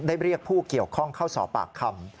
เรียกผู้เกี่ยวข้องเข้าสอบปากคำ